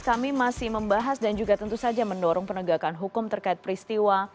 kami masih membahas dan juga tentu saja mendorong penegakan hukum terkait peristiwa